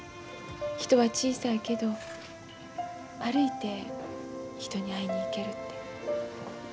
人は小さいけど歩いて人に会いに行けるて。